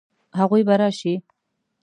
هغوی به راشي؟